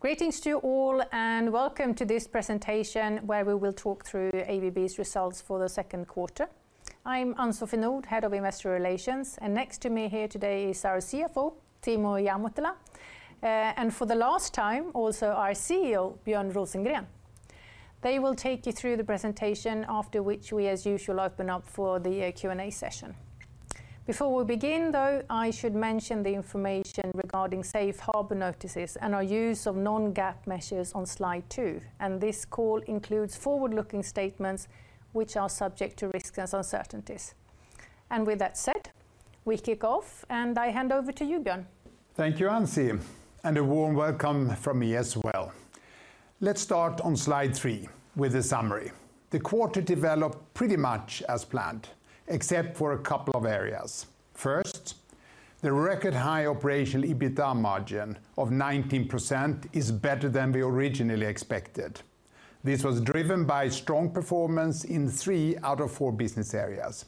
...Greetings to you all, and welcome to this presentation, where we will talk through ABB's results for the second quarter. I'm Ann-Sofie Nordh, head of Investor Relations, and next to me here today is our CFO, Timo Ihamuotila, and for the last time, also our CEO, Björn Rosengren. They will take you through the presentation, after which we, as usual, open up for the Q&A session. Before we begin, though, I should mention the information regarding safe harbor notices and our use of non-GAAP measures on Slide 2, and this call includes forward-looking statements which are subject to risks and uncertainties. With that said, we kick off, and I hand over to you, Björn. Thank you, Ann-Sofie, and a warm welcome from me as well. Let's start on Slide 3 with a summary. The quarter developed pretty much as planned, except for a couple of areas. First, the record-high operational EBITDA margin of 19% is better than we originally expected. This was driven by strong performance in three out of four business areas,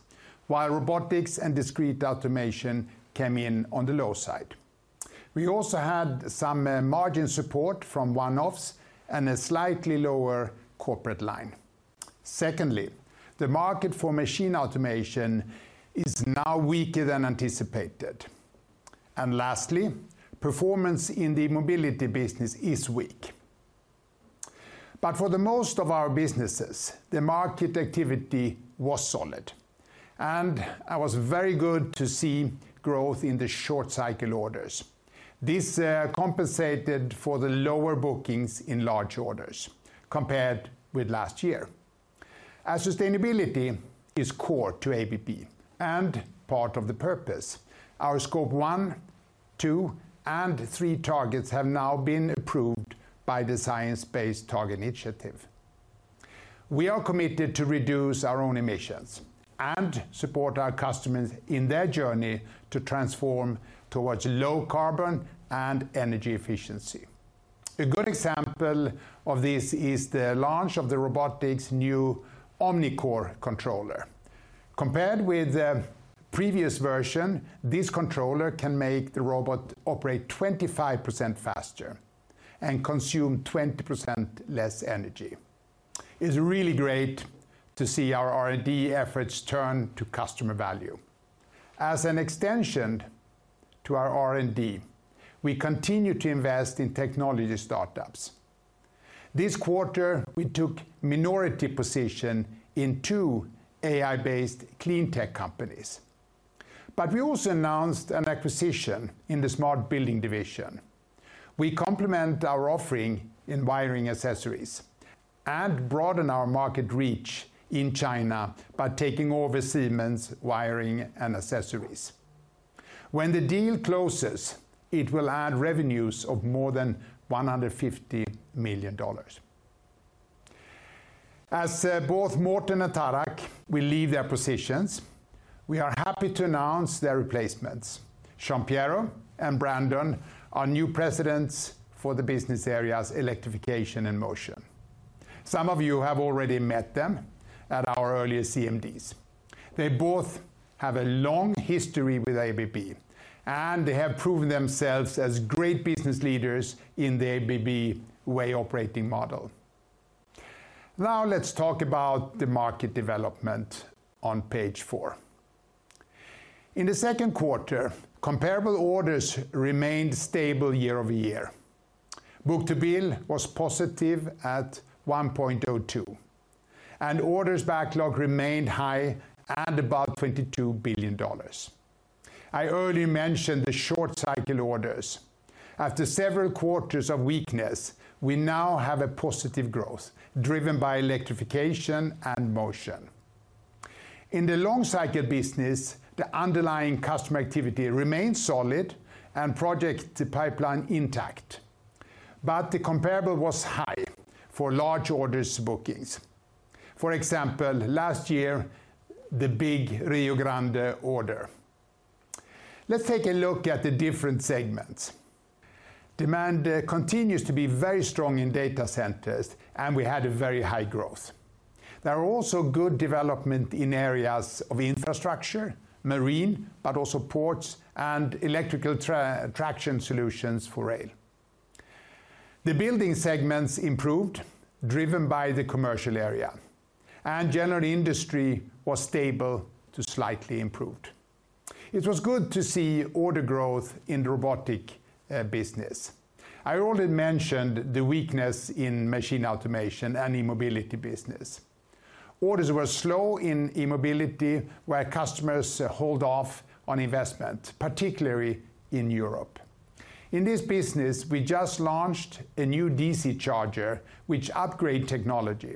while Robotics and Discrete automation came in on the low side. We also had some margin support from one-offs and a slightly lower corporate line. Secondly, the market for Machine Automation is now weaker than anticipated. Lastly, performance in the mobility business is weak. But for the most of our businesses, the market activity was solid, and it was very good to see growth in the short-cycle orders. This compensated for the lower bookings in large orders compared with last year. As sustainability is core to ABB and part of the purpose, our Scope 1, 2, and 3 targets have now been approved by the Science Based Targets initiative. We are committed to reduce our own emissions and support our customers in their journey to transform towards low carbon and energy efficiency. A good example of this is the launch of the Robotics new OmniCore controller. Compared with the previous version, this controller can make the robot operate 25% faster and consume 20% less energy. It's really great to see our R&D efforts turn to customer value. As an extension to our R&D, we continue to invest in technology startups. This quarter, we took minority position in 2 AI-based clean tech companies, but we also announced an acquisition in the Smart Buildings division. We complement our offering in wiring accessories and broaden our market reach in China by taking over Siemens wiring and accessories. When the deal closes, it will add revenues of more than $150 million. As both Morten and Tarak will leave their positions, we are happy to announce their replacements. Gian Piero and Brandon are new presidents for the business areas, Electrification and Motion. Some of you have already met them at our earliest CMDs. They both have a long history with ABB, and they have proven themselves as great business leaders in the ABB Way operating model. Now, let's talk about the market development on page four. In the second quarter, comparable orders remained stable year-over-year. Book-to-bill was positive at 1.02, and orders backlog remained high at about $22 billion. I earlier mentioned the short-cycle orders. After several quarters of weakness, we now have a positive growth, driven by Electrification and Motion. In the long-cycle business, the underlying customer activity remains solid and project the pipeline intact, but the comparable was high for large orders bookings. For example, last year, the big Rio Grande order. Let's take a look at the different segments. Demand continues to be very strong in data centers, and we had a very high growth. There are also good development in areas of infrastructure, marine, but also ports and electrical traction solutions for rail. The building segments improved, driven by the commercial area, and general industry was stable to slightly improved. It was good to see order growth in the Robotics business. I already mentioned the weakness in Machine Automation and E-mobility business. Orders were slow in E-mobility, where customers hold off on investment, particularly in Europe. In this business, we just launched a new DC charger, which upgrade technology.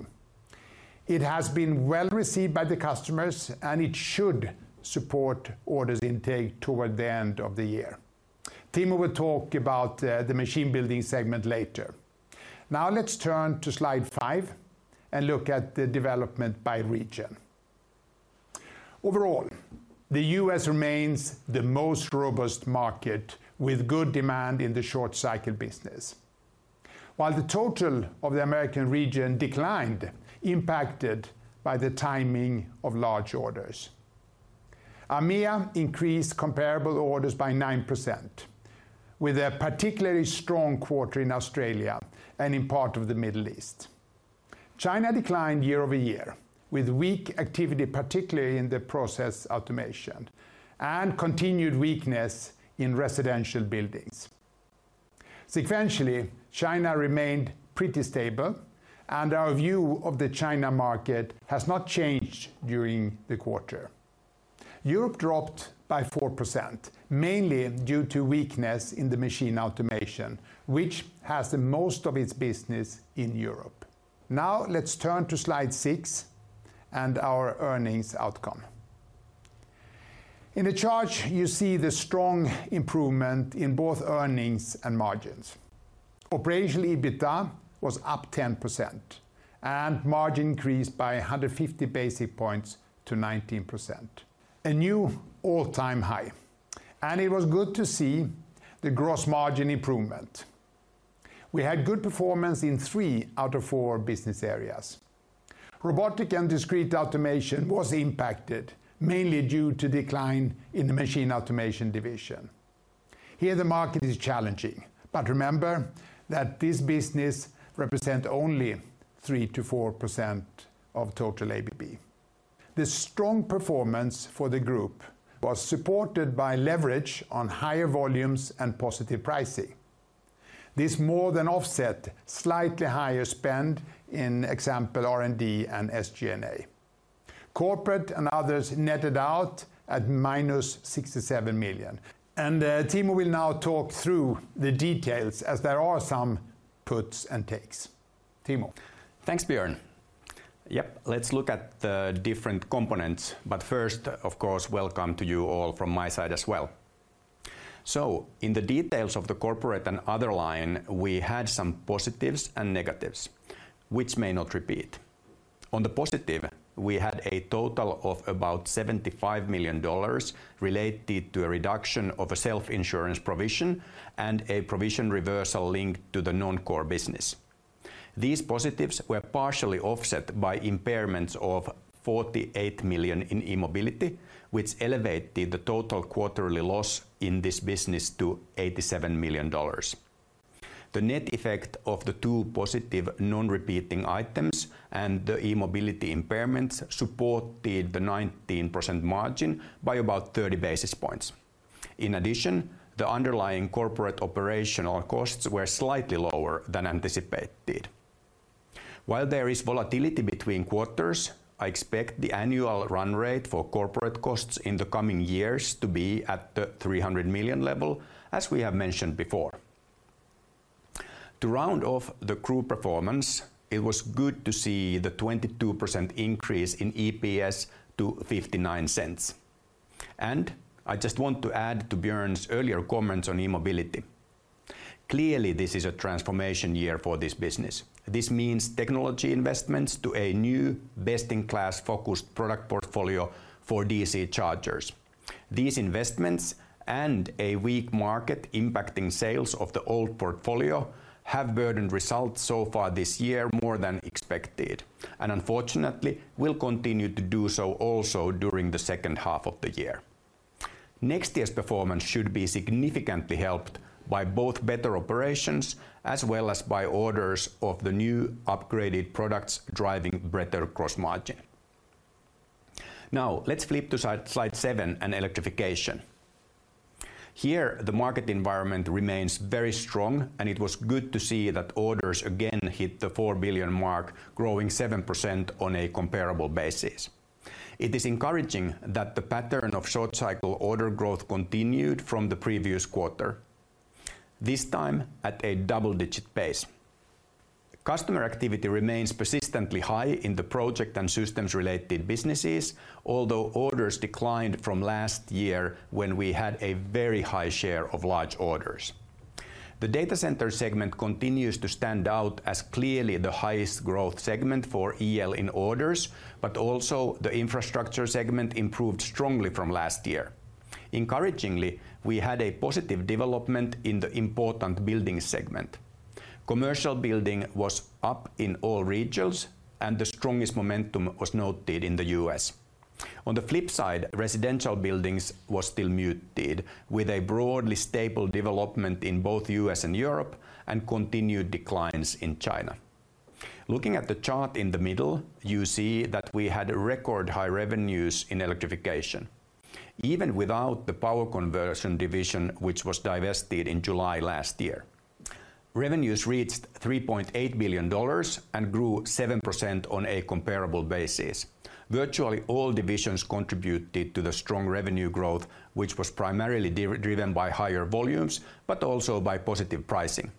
It has been well-received by the customers, and it should support orders intake toward the end of the year. Timo will talk about the machine building segment later. Now, let's turn to Slide 5 and look at the development by region. Overall, the US remains the most robust market, with good demand in the short-cycle business. While the total of the American region declined, impacted by the timing of large orders. AMEA increased comparable orders by 9%, with a particularly strong quarter in Australia and in part of the Middle East. China declined year-over-year, with weak activity, particularly in the process automation, and continued weakness in residential buildings. Sequentially, China remained pretty stable, and our view of the China market has not changed during the quarter. Europe dropped by 4%, mainly due to weakness in the Machine Automation, which has the most of its business in Europe. Now, let's turn to Slide 6 and our earnings outcome. In the chart, you see the strong improvement in both earnings and margins. Operational EBITDA was up 10%, and margin increased by 150 basis points to 19%, a new all-time high, and it was good to see the gross margin improvement. We had good performance in three out of four business areas. Robotic and discrete automation was impacted, mainly due to decline in the Machine Automation division. Here, the market is challenging, but remember that this business represent only 3%-4% of total ABB. The strong performance for the group was supported by leverage on higher volumes and positive pricing. This more than offset slightly higher spend, for example, in R&D and SG&A. Corporate and Other netted out at -$67 million, and Timo will now talk through the details as there are some puts and takes. Timo? Thanks, Björn. Yep, let's look at the different components, but first, of course, welcome to you all from my side as well. So in the details of the corporate and other line, we had some positives and negatives, which may not repeat. On the positive, we had a total of about $75 million related to a reduction of a self-insurance provision and a provision reversal linked to the non-core business. These positives were partially offset by impairments of $48 million in E-mobility, which elevated the total quarterly loss in this business to $87 million. The net effect of the two positive non-repeating items and the E-mobility impairments supported the 19% margin by about 30 basis points. In addition, the underlying corporate operational costs were slightly lower than anticipated. While there is volatility between quarters, I expect the annual run rate for corporate costs in the coming years to be at the $300 million level, as we have mentioned before. To round off the group performance, it was good to see the 22% increase in EPS to $0.59. I just want to add to Björn's earlier comments on E-mobility. Clearly, this is a transformation year for this business. This means technology investments to a new best-in-class focused product portfolio for DC chargers. These investments and a weak market impacting sales of the old portfolio have burdened results so far this year, more than expected, and unfortunately, will continue to do so also during the second half of the year. Next year's performance should be significantly helped by both better operations as well as by orders of the new upgraded products driving better cross margin. Now, let's flip to Slide 7 and Electrification. Here, the market environment remains very strong, and it was good to see that orders again hit the $4 billion mark, growing 7% on a comparable basis. It is encouraging that the pattern of short cycle order growth continued from the previous quarter, this time at a double-digit pace. Customer activity remains persistently high in the project and systems-related businesses, although orders declined from last year when we had a very high share of large orders. The data center segment continues to stand out as clearly the highest growth segment for EL in orders, but also the infrastructure segment improved strongly from last year. Encouragingly, we had a positive development in the important building segment. Commercial building was up in all regions, and the strongest momentum was noted in the US. On the flip side, residential buildings was still muted, with a broadly stable development in both U.S. and Europe, and continued declines in China. Looking at the chart in the middle, you see that we had record high revenues in electrification, even without the Power Conversion division, which was divested in July last year. Revenues reached $3.8 billion and grew 7% on a comparable basis. Virtually all divisions contributed to the strong revenue growth, which was primarily driven by higher volumes, but also by positive pricing.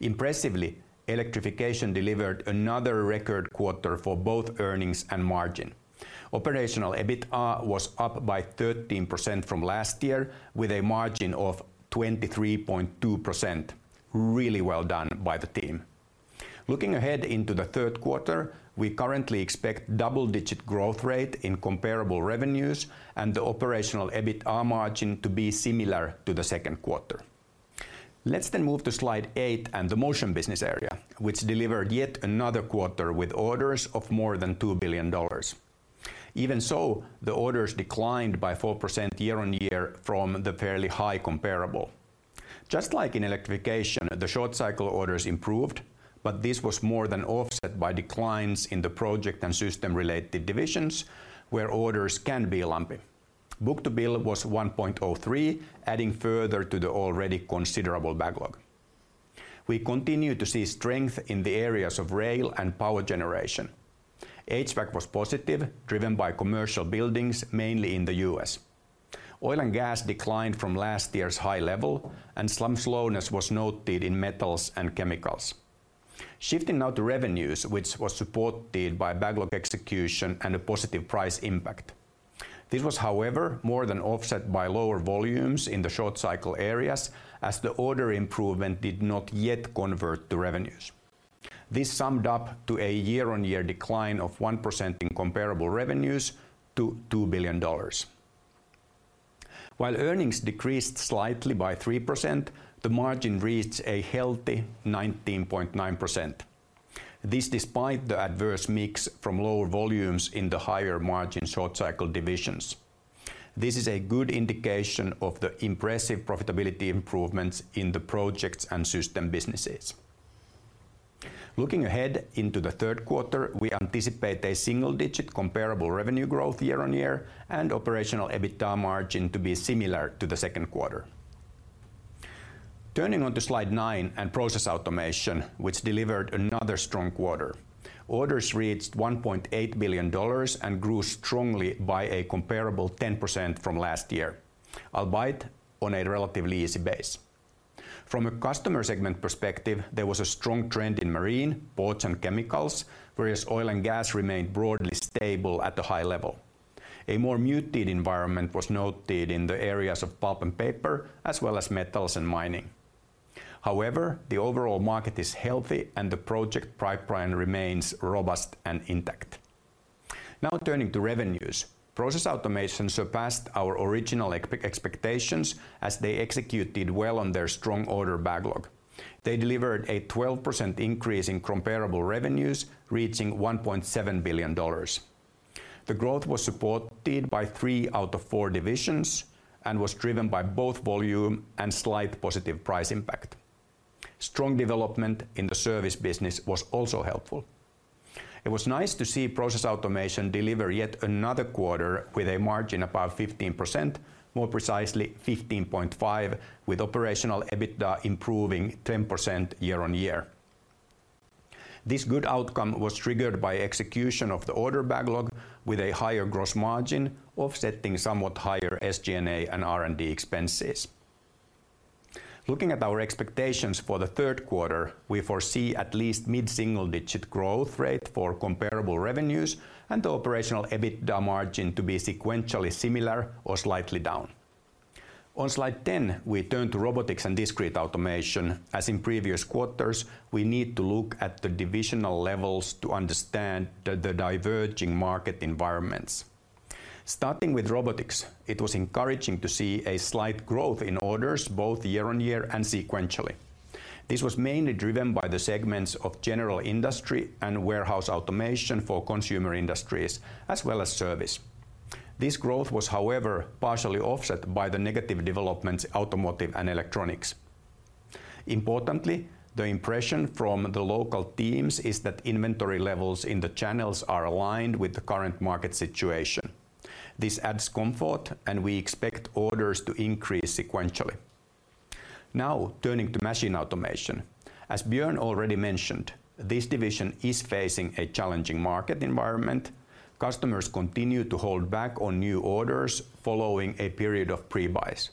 Impressively, Electrification delivered another record quarter for both earnings and margin. Operational EBITDA was up by 13% from last year with a margin of 23.2%. Really well done by the team! Looking ahead into the third quarter, we currently expect double-digit growth rate in comparable revenues and the operational EBITDA margin to be similar to the second quarter. Let's then move to slide 8 and the motion business area, which delivered yet another quarter with orders of more than $2 billion. Even so, the orders declined by 4% year-on-year from the fairly high comparable. Just like in electrification, the short cycle orders improved, but this was more than offset by declines in the project and system-related divisions, where orders can be lumpy. Book to bill was 1.03, adding further to the already considerable backlog. We continue to see strength in the areas of rail and power generation. HVAC was positive, driven by commercial buildings, mainly in the U.S. Oil and gas declined from last year's high level, and some slowness was noted in metals and chemicals. Shifting now to revenues, which was supported by backlog execution and a positive price impact. This was, however, more than offset by lower volumes in the short cycle areas as the order improvement did not yet convert to revenues. This summed up to a year-over-year decline of 1% in comparable revenues to $2 billion. While earnings decreased slightly by 3%, the margin reached a healthy 19.9%. This despite the adverse mix from lower volumes in the higher margin short cycle divisions. This is a good indication of the impressive profitability improvements in the projects and system businesses. Looking ahead into the third quarter, we anticipate a single-digit comparable revenue growth year-over-year and operational EBITDA margin to be similar to the second quarter. Turning on to slide 9 and process automation, which delivered another strong quarter. Orders reached $1.8 billion and grew strongly by a comparable 10% from last year, albeit on a relatively easy base. From a customer segment perspective, there was a strong trend in marine, ports, and chemicals, whereas oil and gas remained broadly stable at a high level. A more muted environment was noted in the areas of pulp and paper, as well as metals and mining. However, the overall market is healthy, and the project pipeline remains robust and intact. Now, turning to revenues, process automation surpassed our original expectations as they executed well on their strong order backlog. They delivered a 12% increase in comparable revenues, reaching $1.7 billion. The growth was supported by three out of four divisions and was driven by both volume and slight positive price impact. Strong development in the service business was also helpful. It was nice to see process automation deliver yet another quarter with a margin above 15%, more precisely 15.5, with operational EBITDA improving 10% year-on-year. This good outcome was triggered by execution of the order backlog with a higher gross margin, offsetting somewhat higher SG&A and R&D expenses. Looking at our expectations for the third quarter, we foresee at least mid-single-digit growth rate for comparable revenues and the operational EBITDA margin to be sequentially similar or slightly down. On slide 10, we turn to Robotics and Discrete Automation. As in previous quarters, we need to look at the divisional levels to understand the diverging market environments. Starting with robotics, it was encouraging to see a slight growth in orders, both year on year and sequentially. This was mainly driven by the segments of general industry and warehouse automation for consumer industries, as well as service. This growth was, however, partially offset by the negative developments, automotive and electronics. Importantly, the impression from the local teams is that inventory levels in the channels are aligned with the current market situation. This adds comfort, and we expect orders to increase sequentially. Now, turning to Machine Automation. As Björn already mentioned, this division is facing a challenging market environment. Customers continue to hold back on new orders following a period of pre-buys.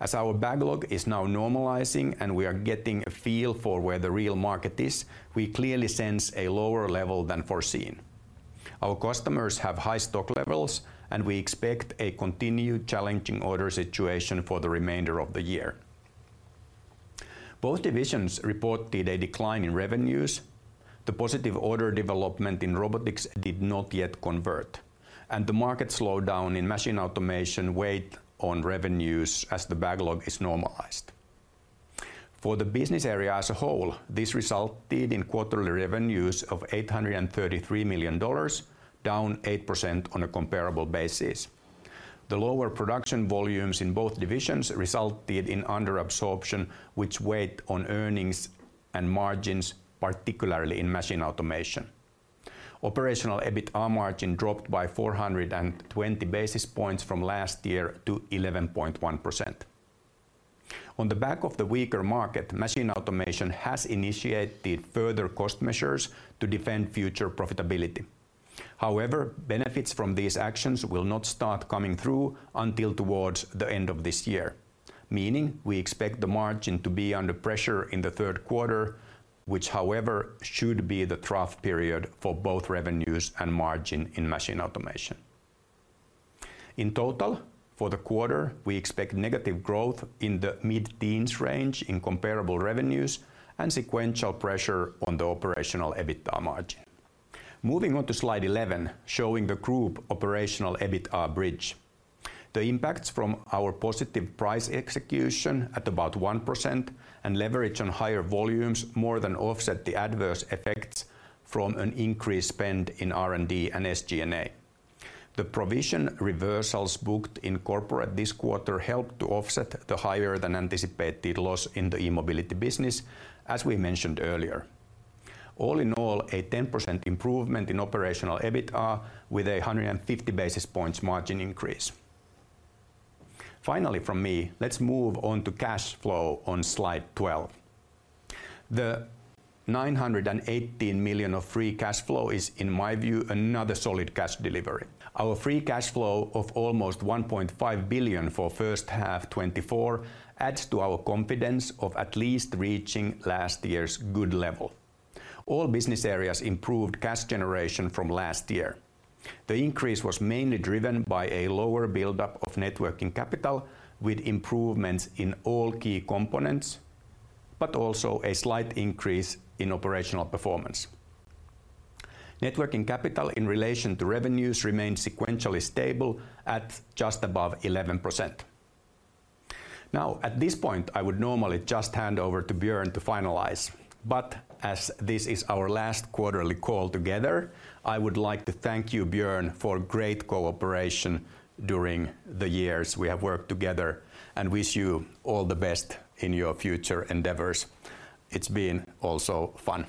As our backlog is now normalizing and we are getting a feel for where the real market is, we clearly sense a lower level than foreseen. Our customers have high stock levels, and we expect a continued challenging order situation for the remainder of the year. Both divisions reported a decline in revenues. The positive order development in robotics did not yet convert, and the market slowdown in Machine automation weighed on revenues as the backlog is normalized. For the business area as a whole, this resulted in quarterly revenues of $833 million, down 8% on a comparable basis. The lower production volumes in both divisions resulted in under absorption, which weighed on earnings and margins, particularly in Machine Mutomation. Operational EBITDA margin dropped by 420 basis points from last year to 11.1%. On the back of the weaker market, Machine Automation has initiated further cost measures to defend future profitability. However, benefits from these actions will not start coming through until towards the end of this year, meaning we expect the margin to be under pressure in the third quarter, which, however, should be the trough period for both revenues and margin in Machine Automation. In total, for the quarter, we expect negative growth in the mid-teens range in comparable revenues and sequential pressure on the operational EBITDA margin. Moving on to Slide 11, showing the group operational EBITA bridge. The impacts from our positive price execution at about 1% and leverage on higher volumes more than offset the adverse effects from an increased spend in R&D and SG&A. The provision reversals booked in corporate this quarter helped to offset the higher-than-anticipated loss in the E-mobility business, as we mentioned earlier. All in all, a 10% improvement in operational EBITA with a 150 basis points margin increase. Finally, from me, let's move on to cash flow on Slide 12. The $918 million of free cash flow is, in my view, another solid cash delivery. Our free cash flow of almost $1.5 billion for first half 2024 adds to our confidence of at least reaching last year's good level. All business areas improved cash generation from last year. The increase was mainly driven by a lower buildup of net working capital, with improvements in all key components, but also a slight increase in operational performance. Net working capital in relation to revenues remained sequentially stable at just above 11%. Now, at this point, I would normally just hand over to Björn to finalize, but as this is our last quarterly call together, I would like to thank you, Björn, for great cooperation during the years we have worked together, and wish you all the best in your future endeavors. It's been also fun.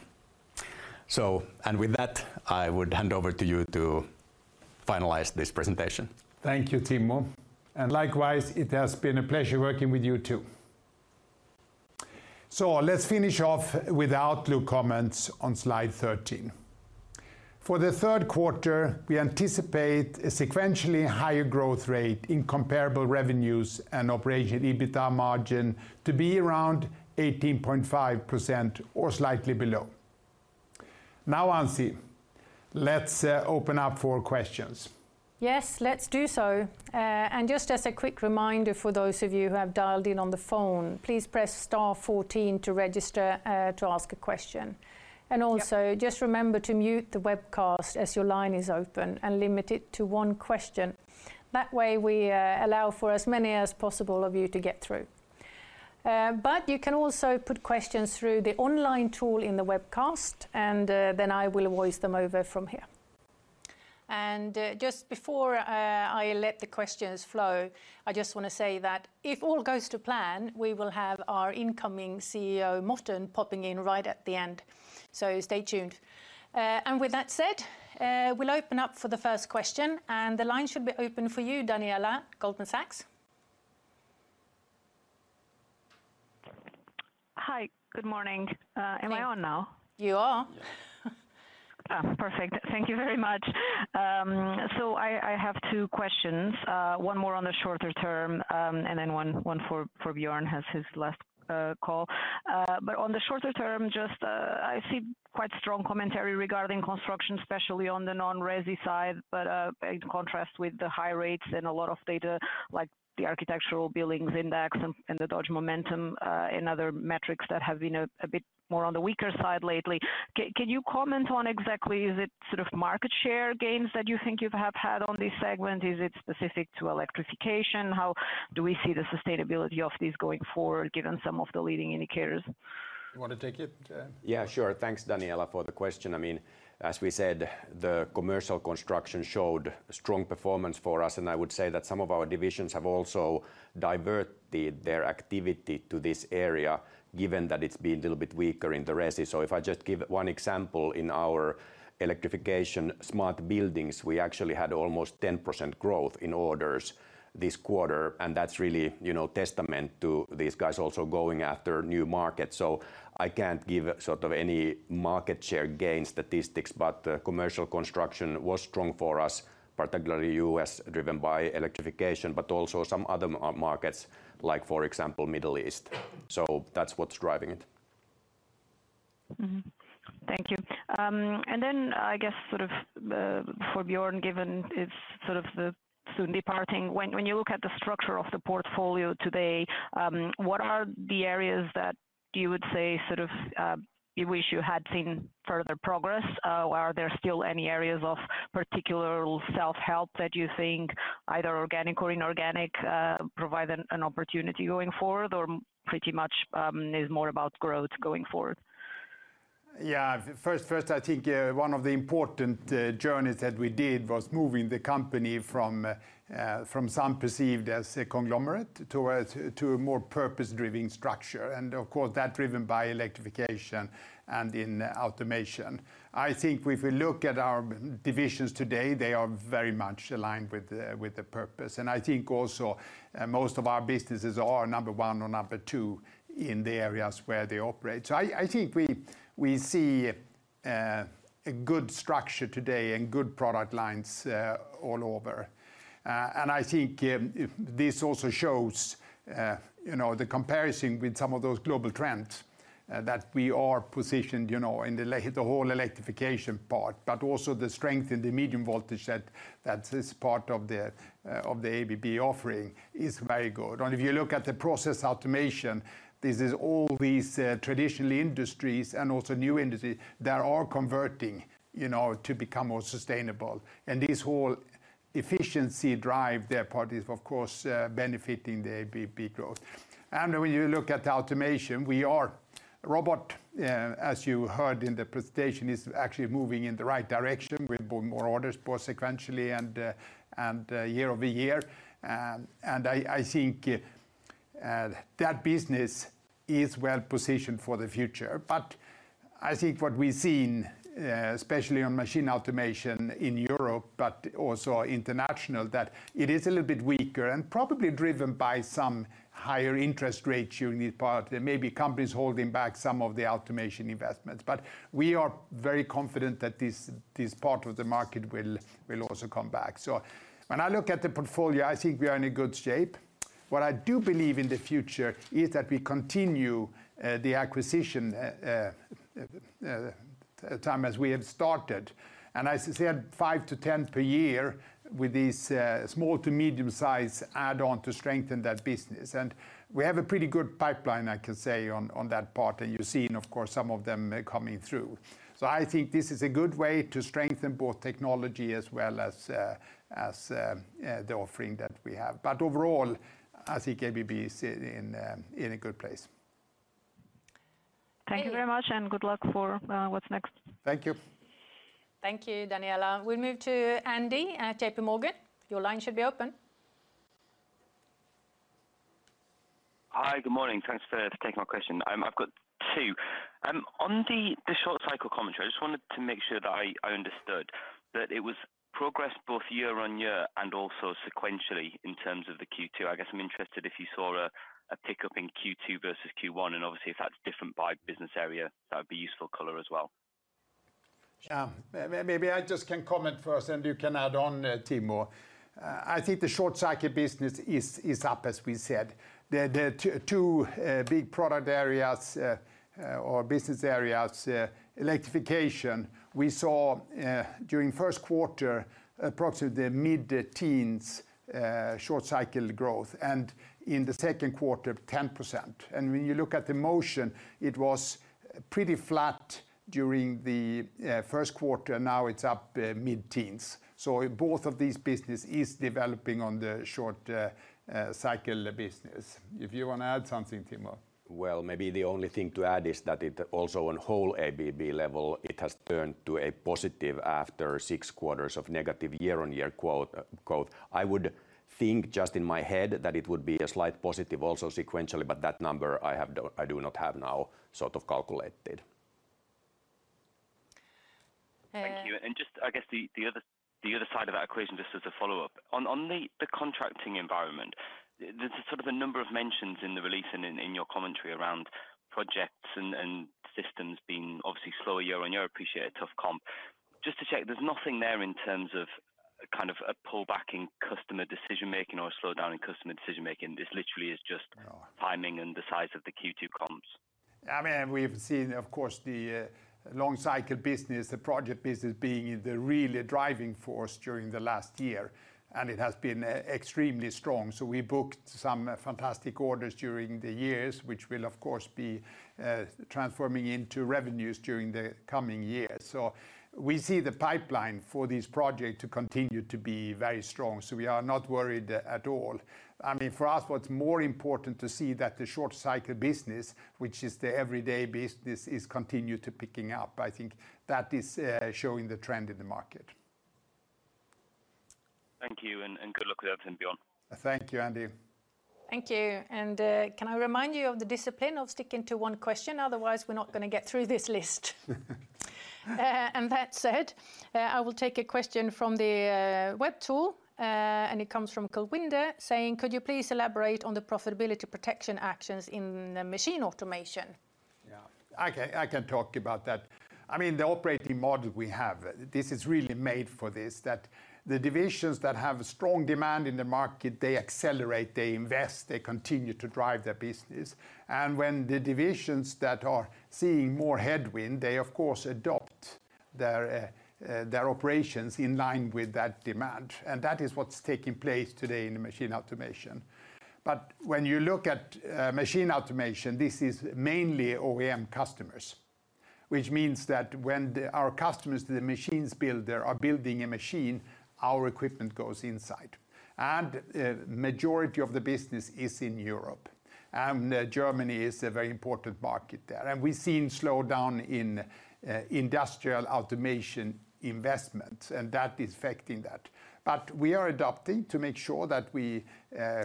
So, and with that, I would hand over to you to finalize this presentation. Thank you, Timo, and likewise, it has been a pleasure working with you, too. So let's finish off with outlook comments on Slide 13. For the third quarter, we anticipate a sequentially higher growth rate in comparable revenues and operational EBITA margin to be around 18.5% or slightly below. Now, Ansi, let's open up for questions. Yes, let's do so. Just as a quick reminder for those of you who have dialed in on the phone, please press star fourteen to register to ask a question. Yep. And also, just remember to mute the webcast as your line is open, and limit it to one question. That way, we, allow for as many as possible of you to get through. But you can also put questions through the online tool in the webcast, and, then I will voice them over from here. And, just before, I let the questions flow, I just want to say that if all goes to plan, we will have our incoming CEO, Morten, popping in right at the end, so stay tuned. And with that said, we'll open up for the first question, and the line should be open for you, Daniela, Goldman Sachs. Hi, good morning. Am I on now? You are. Ah, perfect. Thank you very much. So I have two questions, one more on the shorter term, and then one for Björn, as his last call. But on the shorter term, just, I see quite strong commentary regarding construction, especially on the non-resi side, but in contrast with the high rates and a lot of data, like the Architecture Billings Index and the Dodge Momentum Index, and other metrics that have been a bit more on the weaker side lately. Can you comment on exactly, is it sort of market share gains that you think you've had on this segment? Is it specific to electrification? How do we see the sustainability of this going forward, given some of the leading indicators? You want to take it? Yeah, sure. Thanks, Daniela, for the question. I mean, as we said, the commercial construction showed strong performance for us, and I would say that some of our divisions have also diverted their activity to this area, given that it's been a little bit weaker in the resi. So if I just give one example, in our electrification smart buildings, we actually had almost 10% growth in orders this quarter, and that's really, you know, testament to these guys also going after new markets. So I can't give sort of any market share gain statistics, but, commercial construction was strong for us, particularly U.S., driven by electrification, but also some other markets, like, for example, Middle East. So that's what's driving it. Mm-hmm. Thank you. And then I guess sort of, for Björn, given it's sort of the soon departing, when you look at the structure of the portfolio today, what are the areas that you would say sort of, you wish you had seen further progress? Are there still any areas of particular self-help that you think either organic or inorganic provide an opportunity going forward, or pretty much is more about growth going forward? Yeah, first, first, I think, one of the important journeys that we did was moving the company from, from some perceived as a conglomerate to a, to a more purpose-driven structure, and of course, that driven by electrification and in automation. I think if we look at our divisions today, they are very much aligned with the, with the purpose, and I think also, most of our businesses are number one or number two in the areas where they operate. So I, I think we, we see, a good structure today and good product lines, all over. And I think, this also shows, you know, the comparison with some of those global trends, that we are positioned, you know, in the whole electrification part, but also the strength in the medium voltage that is part of the ABB offering is very good. And if you look at the process automation, this is all these traditional industries and also new industries that are converting, you know, to become more sustainable. And this whole efficiency drive, that part is, of course, benefiting the ABB growth. And when you look at automation, robotics, as you heard in the presentation, is actually moving in the right direction with both more orders, both sequentially and year-over-year. And I think, that business is well-positioned for the future. But I think what we've seen, especially on Machine Automation in Europe, but also international, that it is a little bit weaker, and probably driven by some higher interest rates during this part, and maybe companies holding back some of the automation investments. But we are very confident that this part of the market will also come back. So when I look at the portfolio, I think we are in a good shape. What I do believe in the future is that we continue the acquisition timetable as we have started. I said 5-10 per year with these small- to medium-size add-ons to strengthen that business. We have a pretty good pipeline, I can say, on that part, and you've seen, of course, some of them coming through. I think this is a good way to strengthen both technology as well as the offering that we have. But overall, I think ABB is in a good place. Thank you very much, and good luck for what's next. Thank you. Thank you, Daniela. We move to Andy at JP Morgan. Your line should be open. Hi, good morning. Thanks for taking my question. I've got two. On the short cycle commentary, I just wanted to make sure that I understood that it was progress both year-on-year and also sequentially in terms of the Q2. I guess I'm interested if you saw a pickup in Q2 versus Q1, and obviously if that's different by business area, that would be useful color as well. Yeah. Maybe I just can comment first, and you can add on, Timo. I think the short cycle business is, is up, as we said. The, the two, big product areas, or business areas, electrification, we saw, during first quarter, approximately the mid-teens, short cycle growth, and in the second quarter, 10%. And when you look at the motion, it was pretty flat during the, first quarter, now it's up, mid-teens. So both of these business is developing on the short, cycle business. If you want to add something, Timo? Well, maybe the only thing to add is that it also on whole ABB level, it has turned to a positive after six quarters of negative year-on-year quote, quote. I would think just in my head that it would be a slight positive also sequentially, but that number I do not have now sort of calculated. Thank you. Uh- And just, I guess, the other side of that equation, just as a follow-up. On the contracting environment, there's sort of a number of mentions in the release and in your commentary around projects and systems being obviously slower year-on-year, appreciate tough comp. Just to check, there's nothing there in terms of kind of a pull back in customer decision-making or a slowdown in customer decision-making; this literally is just timing and the size of the Q2 comps? I mean, we've seen, of course, the long cycle business, the project business, being the really driving force during the last year, and it has been extremely strong. So we booked some fantastic orders during the years, which will of course, be transforming into revenues during the coming year. So we see the pipeline for this project to continue to be very strong, so we are not worried at all. I mean, for us, what's more important to see that the short cycle business, which is the everyday business, is continue to picking up. I think that is showing the trend in the market. Thank you, and good luck with everything, Björn. Thank you, Andy. Thank you, and, can I remind you of the discipline of sticking to one question? Otherwise, we're not going to get through this list. That said, I will take a question from the web tool, and it comes from Kulwinder, saying: "Could you please elaborate on the profitability protection actions in Machine Automation? Yeah, I can, I can talk about that. I mean, the operating model we have, this is really made for this, that the divisions that have strong demand in the market, they accelerate, they invest, they continue to drive their business. And when the divisions that are seeing more headwind, they of course adopt their, their operations in line with that demand. And that is what's taking place today in Machine Automation. But when you look at Machine Automation, this is mainly OEM customers, which means that when the... our customers, the machine builders, are building a machine, our equipment goes inside. And, majority of the business is in Europe, and Germany is a very important market there. And we've seen slowdown in industrial automation investment, and that is affecting that. We are adapting to make sure that we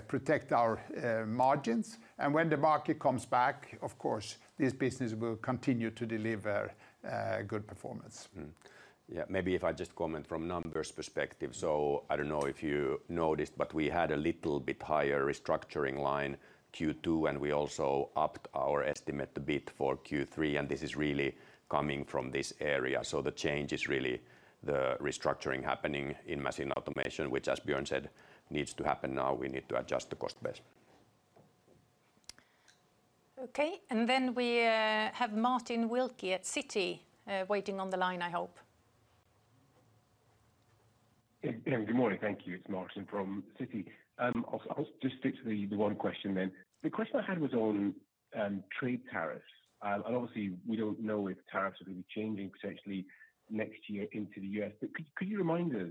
protect our margins, and when the market comes back, of course, this business will continue to deliver good performance. Mm-hmm. Yeah, maybe if I just comment from numbers perspective. So I don't know if you noticed, but we had a little bit higher restructuring line Q2, and we also upped our estimate a bit for Q3, and this is really coming from this area. So the change is really the restructuring happening in Machine Automation, which, as Björn said, needs to happen now. We need to adjust the cost base. Okay, and then we have Martin Wilkie at Citi waiting on the line, I hope. ... Yeah, good morning. Thank you. It's Martin from Citi. I'll just stick to the one question then. The question I had was on trade tariffs. Obviously, we don't know if tariffs are going to be changing potentially next year into the US. Could you remind us,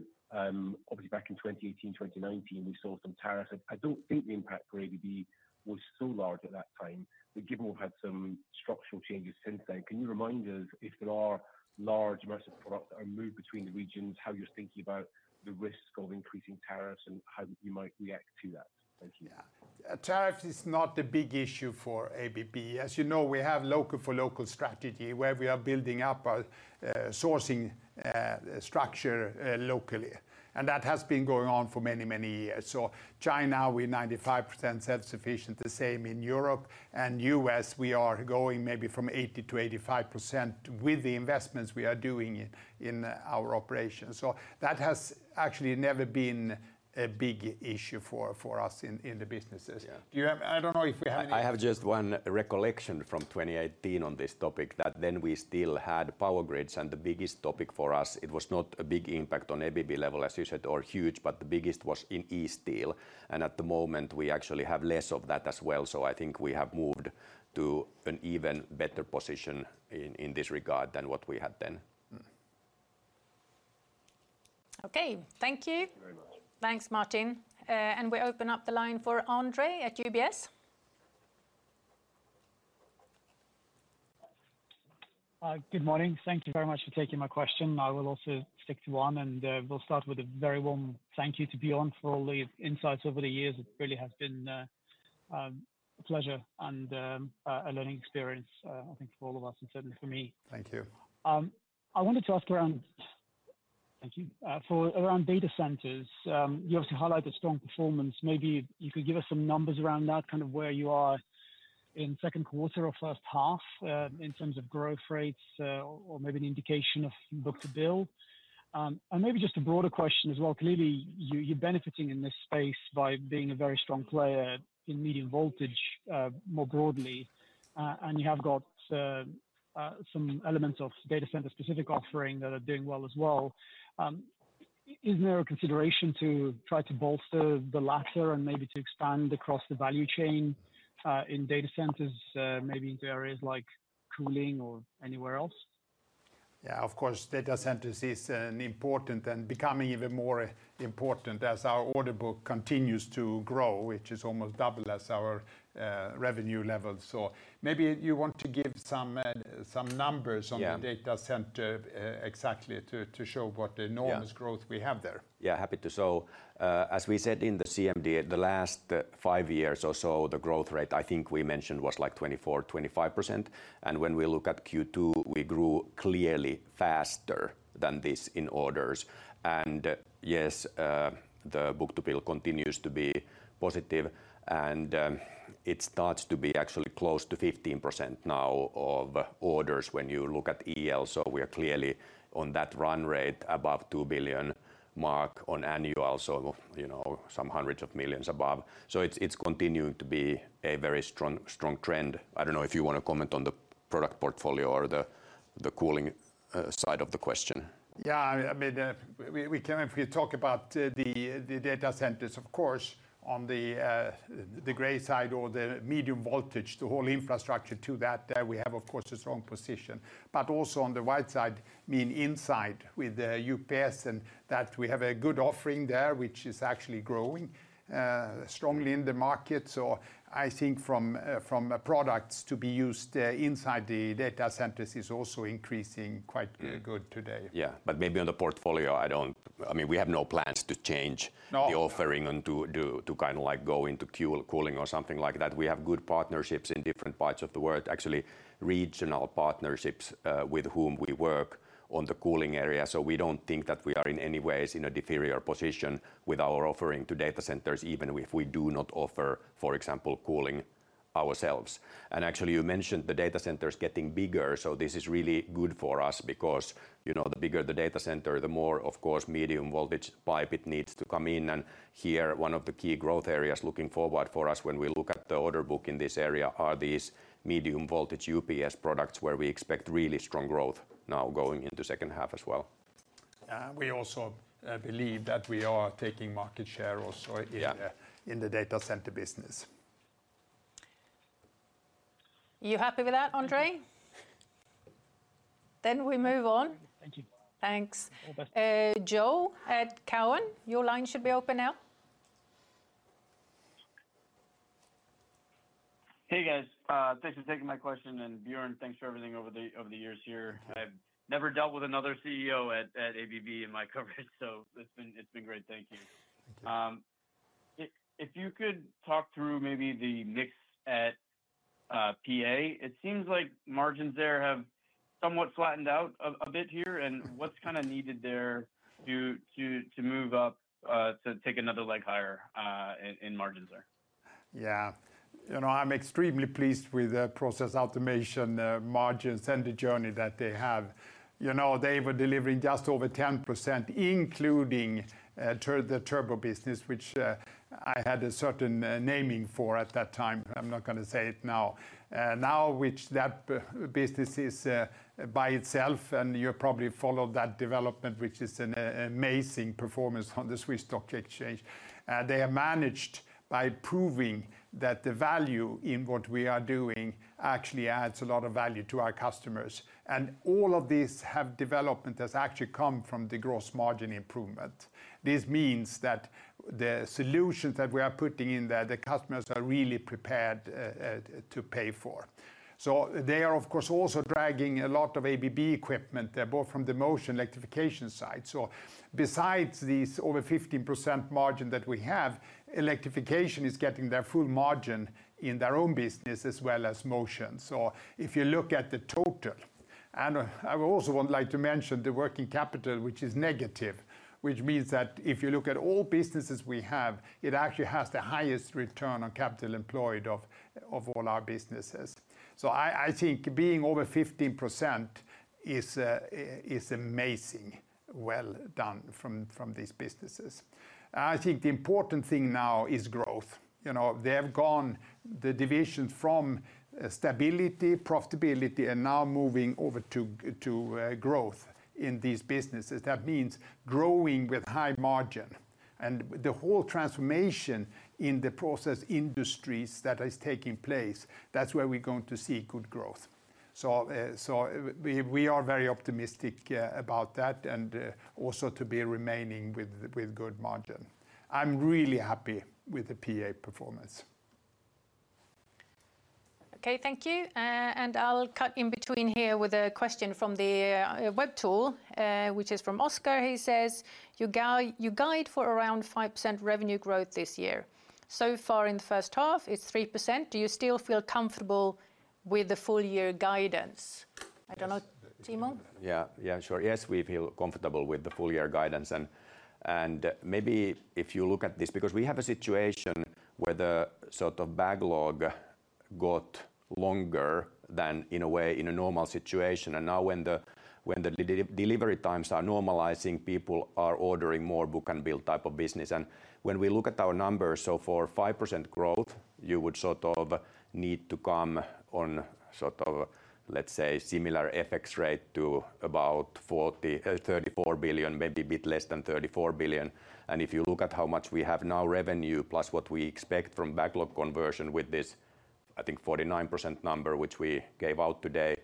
obviously back in 2018, 2019, we saw some tariffs, and I don't think the impact for ABB was so large at that time. Given we've had some structural changes since then, can you remind us, if there are large amounts of product that are moved between the regions, how you're thinking about the risks of increasing tariffs and how you might react to that? Thank you. Yeah. A tariff is not a big issue for ABB. As you know, we have local-for-local strategy, where we are building up our sourcing structure locally, and that has been going on for many, many years. So China, we're 95% self-sufficient, the same in Europe. And US, we are going maybe from 80%-85% with the investments we are doing in our operations. So that has actually never been a big issue for us in the businesses. Yeah. I don't know if you have any- I have just one recollection from 2018 on this topic, that then we still had power grids, and the biggest topic for us, it was not a big impact on ABB level, as you said, or huge, but the biggest was in eSteel. And at the moment, we actually have less of that as well, so I think we have moved to an even better position in this regard than what we had then. Mm-hmm. Okay, thank you. Very much. Thanks, Martin. We open up the line for Andre at UBS. Hi, good morning. Thank you very much for taking my question. I will also stick to one, and, we'll start with a very warm thank you to Björn for all the insights over the years. It really has been a, a pleasure and, a, a learning experience, I think for all of us and certainly for me. Thank you. I wanted to ask around... Thank you. For around data centers, you also highlighted strong performance. Maybe you could give us some numbers around that, kind of where you are in second quarter or first half, in terms of growth rates, or maybe an indication of book to bill. And maybe just a broader question as well, clearly, you're benefiting in this space by being a very strong player in medium voltage, more broadly. And you have got some elements of data center-specific offering that are doing well as well. Is there a consideration to try to bolster the latter and maybe to expand across the value chain, in data centers, maybe in areas like cooling or anywhere else? Yeah, of course, data centers is important and becoming even more important as our order book continues to grow, which is almost double as our revenue level. So maybe you want to give some numbers- Yeah... on the data center, exactly to show what- Yeah... enormous growth we have there. Yeah, happy to. So, as we said in the CMD, the last five years or so, the growth rate, I think we mentioned, was like 24-25%. And when we look at Q2, we grew clearly faster than this in orders. And yes, the book to bill continues to be positive, and it starts to be actually close to 15% now of orders when you look at EL. So we are clearly on that run rate above $2 billion mark on annual, so, you know, some $hundreds of millions above. So it's continuing to be a very strong, strong trend. I don't know if you want to comment on the product portfolio or the cooling side of the question. Yeah, I mean, we can if we talk about the data centers, of course, on the gray side or the medium voltage, the whole infrastructure to that, we have, of course, a strong position. But also, on the white side, I mean inside with the UPS, and that we have a good offering there, which is actually growing strongly in the market. So I think from products to be used inside the data centers is also increasing quite good today. Yeah. But maybe on the portfolio, I don't... I mean, we have no plans to change- No... the offering and to kind of like go into cooling or something like that. We have good partnerships in different parts of the world, actually, regional partnerships, with whom we work on the cooling area. So we don't think that we are in any ways in an inferior position with our offering to data centers, even if we do not offer, for example, cooling ourselves. And actually, you mentioned the data centers getting bigger, so this is really good for us because, you know, the bigger the data center, the more, of course, medium voltage pipe it needs to come in. And here, one of the key growth areas looking forward for us when we look at the order book in this area are these medium voltage UPS products, where we expect really strong growth now going into second half as well. We also believe that we are taking market share also- Yeah... in the data center business. You happy with that, Andre? Then we move on. Thank you. Thanks. All the best. Joe at Cowen, your line should be open now. Hey, guys. Thanks for taking my question, and, Björn, thanks for everything over the years here. I've never dealt with another CEO at ABB in my coverage, so it's been great. Thank you. Thank you. If you could talk through maybe the mix at PA, it seems like margins there have somewhat flattened out a bit here, and what's kind of needed there to move up to take another leg higher in margins there?... Yeah. You know, I'm extremely pleased with the process automation margins and the journey that they have. You know, they were delivering just over 10%, including the turbo business, which I had a certain naming for at that time. I'm not gonna say it now. Now, which that business is by itself, and you probably followed that development, which is an amazing performance on the Swiss Stock Exchange. They are managed by proving that the value in what we are doing actually adds a lot of value to our customers, and all of these have development that's actually come from the gross margin improvement. This means that the solutions that we are putting in there, the customers are really prepared to pay for. So they are, of course, also dragging a lot of ABB equipment. They're both from the motion electrification side. So besides these over 15% margin that we have, electrification is getting their full margin in their own business as well as motion. So if you look at the total, and I also would like to mention the working capital, which is negative, which means that if you look at all businesses we have, it actually has the highest return on capital employed of, of all our businesses. So I, I think being over 15% is, is amazing. Well done from, from these businesses. I think the important thing now is growth. You know, they have gone the division from stability, profitability, and now moving over to, to, growth in these businesses. That means growing with high margin, and the whole transformation in the process industries that is taking place, that's where we're going to see good growth. So, we are very optimistic about that and also to be remaining with good margin. I'm really happy with the PA performance. Okay, thank you. And I'll cut in between here with a question from the web tool, which is from Oscar. He says, "You guide for around 5% revenue growth this year. So far in the first half, it's 3%. Do you still feel comfortable with the full year guidance?" I don't know, Timo? Yeah, yeah, sure. Yes, we feel comfortable with the full year guidance, and maybe if you look at this... Because we have a situation where the sort of backlog got longer than in a way, in a normal situation. And now when the delivery times are normalizing, people are ordering more book-and-bill type of business. And when we look at our numbers, so for 5% growth, you would sort of need to come on sort of, let's say, similar FX rate to about 34 billion, maybe a bit less than 34 billion. And if you look at how much we have now, revenue plus what we expect from backlog conversion with this, I think, 49% number, which we gave out today,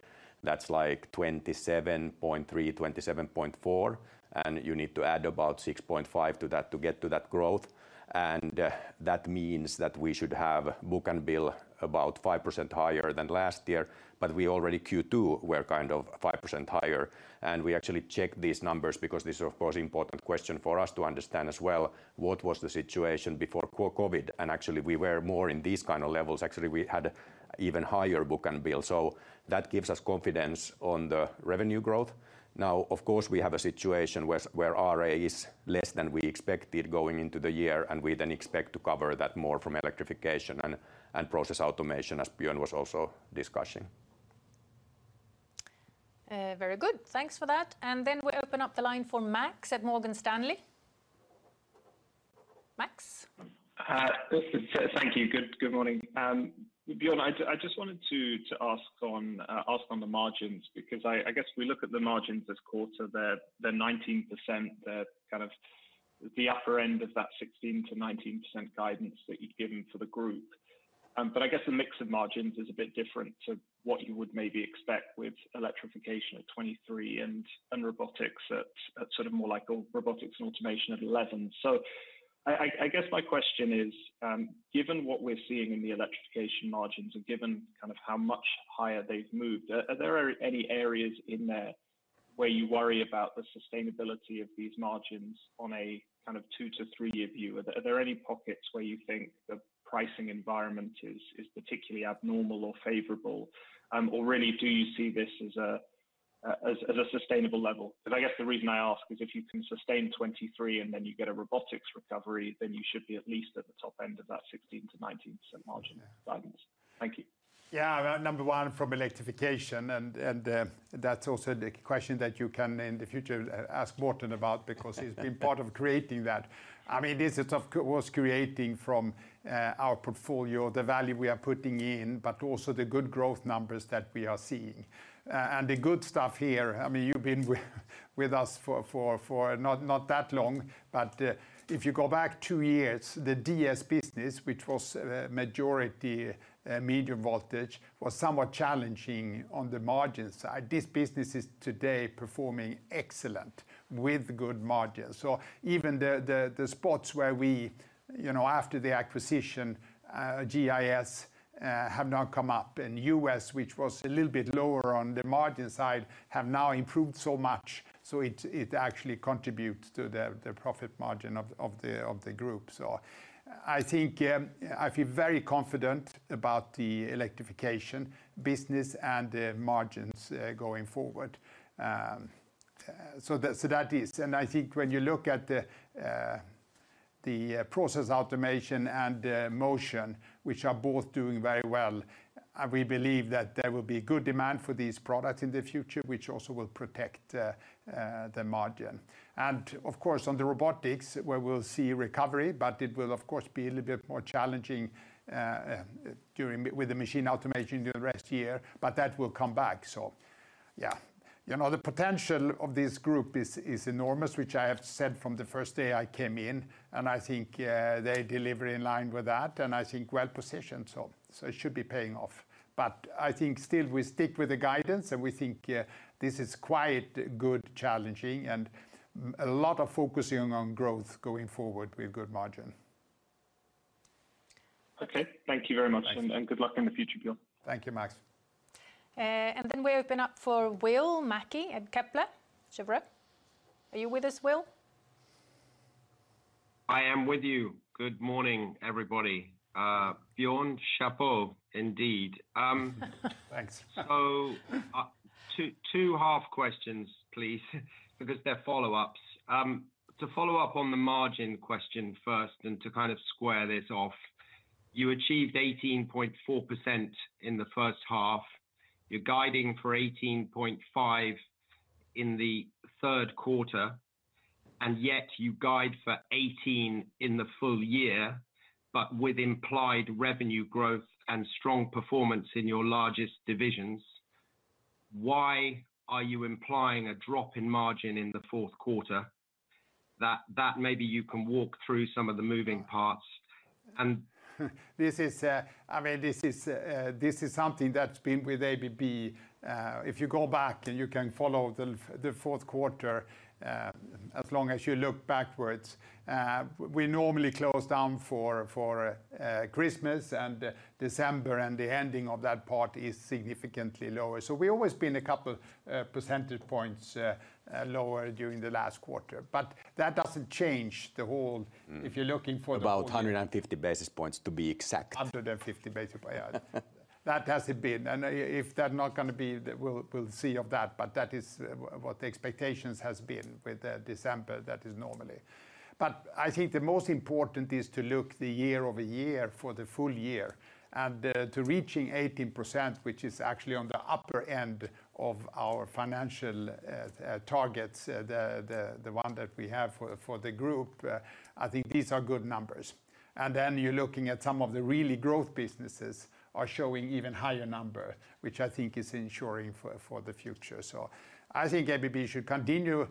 that's like 27.3, 27.4, and you need to add about 6.5 to that to get to that growth. And, that means that we should have book and bill about 5% higher than last year, but we already Q2 were kind of 5% higher. And we actually checked these numbers because this is, of course, important question for us to understand as well, what was the situation before COVID? And actually, we were more in these kind of levels. Actually, we had even higher book and bill. So that gives us confidence on the revenue growth. Now, of course, we have a situation where, where RA is less than we expected going into the year, and we then expect to cover that more from electrification and, and process automation, as Björn was also discussing. Very good. Thanks for that, and then we open up the line for Max at Morgan Stanley. Max? Hi. Thank you. Good, good morning. Björn, I just wanted to ask on the margins, because I guess we look at the margins this quarter, they're 19%. They're kind of the upper end of that 16%-19% guidance that you'd given for the group. But I guess the mix of margins is a bit different to what you would maybe expect with electrification at 23% and robotics at sort of more like robotics and automation at 11%. So I guess my question is, given what we're seeing in the electrification margins and given kind of how much higher they've moved, are there any areas in there where you worry about the sustainability of these margins on a kind of 2- to 3-year view? Are there any pockets where you think the pricing environment is particularly abnormal or favorable? Or really, do you see this as a sustainable level? Because I guess the reason I ask is if you can sustain 23 and then you get a robotics recovery, then you should be at least at the top end of that 16%-19% margin guidance. Thank you. Yeah, number 1, from electrification, that's also the question that you can, in the future, ask Morten about - because he's been part of creating that. I mean, this is of course creating from our portfolio, the value we are putting in, but also the good growth numbers that we are seeing. And the good stuff here, I mean, you've been with us for not that long, but if you go back 2 years, the DS business, which was majority medium voltage, was somewhat challenging on the margin side. This business is today performing excellent with good margins. So even the spots where we, you know, after the acquisition, GIS, have now come up, and US, which was a little bit lower on the margin side, have now improved so much, so it actually contributes to the profit margin of the group. So I think, I feel very confident about the electrification business and the margins, going forward, so that is, and I think when you look at the process automation and motion, which are both doing very well, we believe that there will be good demand for these products in the future, which also will protect the margin. Of course, on the robotics, where we'll see recovery, but it will of course be a little bit more challenging with the Machine Automation the rest of the year, but that will come back. So yeah. You know, the potential of this group is enormous, which I have said from the first day I came in, and I think they deliver in line with that, and I think well-positioned, so it should be paying off. But I think still we stick with the guidance, and we think this is quite good, challenging and a lot of focusing on growth going forward with good margin. Okay. Thank you very much- Thanks. And good luck in the future, Björn. Thank you, Max. Then we open up for Will Mackie at Kepler Cheuvreux. Are you with us, Will? I am with you. Good morning, everybody. Björn, chapeau indeed. Thanks. So, two half questions, please, because they're follow-ups. To follow up on the margin question first, and to kind of square this off, you achieved 18.4% in the first half. You're guiding for 18.5 in the third quarter, and yet you guide for 18 in the full year, but with implied revenue growth and strong performance in your largest divisions, why are you implying a drop in margin in the fourth quarter? That maybe you can walk through some of the moving parts, and- This is, I mean, this is something that's been with ABB. If you go back, then you can follow the fourth quarter as long as you look backwards. We normally close down for Christmas and December, and the ending of that part is significantly lower. So we've always been a couple percentage points lower during the last quarter, but that doesn't change the whole- Mm. If you're looking for the full year- About 150 basis points, to be exact. 150 basis, yeah. That hasn't been. And if that's not gonna be, we'll see of that, but that is what the expectations has been with the December, that is normally. But I think the most important is to look the year-over-year for the full year and to reaching 18%, which is actually on the upper end of our financial targets, the one that we have for the group. I think these are good numbers. And then you're looking at some of the really growth businesses are showing even higher number, which I think is ensuring for the future. So I think ABB should continue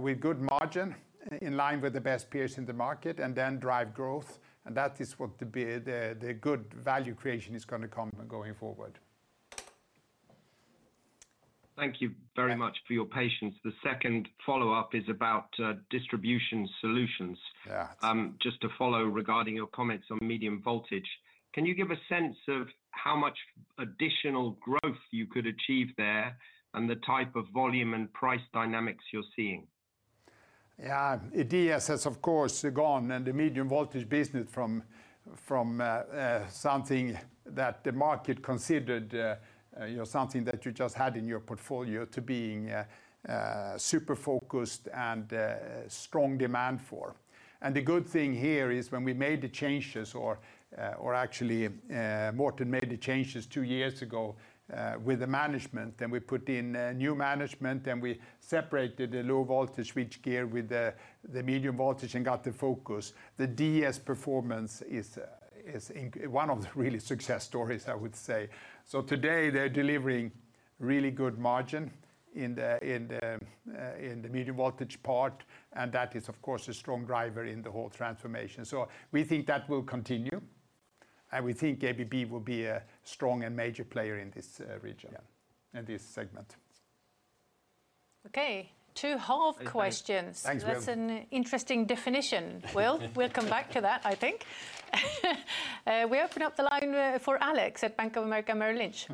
with good margin, in line with the best peers in the market, and then drive growth, and that is what the good value creation is gonna come going forward. Thank you very much for your patience. The second follow-up is about distribution solutions. Yeah. Just to follow regarding your comments on medium voltage, can you give a sense of how much additional growth you could achieve there, and the type of volume and price dynamics you're seeing? Yeah. DS has, of course, gone, and the medium voltage business from something that the market considered, you know, something that you just had in your portfolio to being super focused and strong demand for. And the good thing here is, when we made the changes, or actually, Morten made the changes two years ago with the management, then we put in a new management, and we separated the low voltage switchgear with the medium voltage and got the focus. The DS performance is one of the really success stories, I would say. So today, they're delivering really good margin in the medium voltage part, and that is, of course, a strong driver in the whole transformation. So we think that will continue, and we think ABB will be a strong and major player in this, region- Yeah... in this segment. Okay, two half questions. Thanks, Will. That's an interesting definition, Will. We'll come back to that, I think. We open up the line for Alex at Bank of America, Merrill Lynch.